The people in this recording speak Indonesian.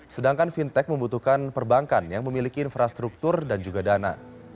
sedangkan fintech membutuhkan perbankan yang memiliki infrastruktur dan juga dana